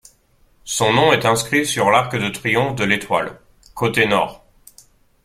Son nom est inscrit sur l'Arc de triomphe de l'Étoile, côté Nord.